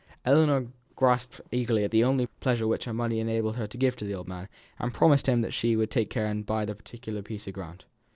Ellinor grasped eagerly at the only pleasure which her money enabled her to give to the old man: and promised him that she would take care and buy the right to that particular piece of ground.